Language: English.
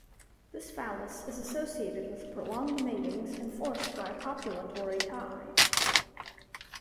This phallus is associated with prolonged matings enforced by a copulatory tie.